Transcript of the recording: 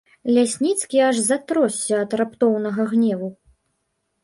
Лясніцкі аж затросся ад раптоўнага гневу.